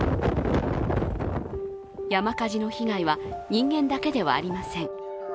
山火事の被害は人間だけではありません。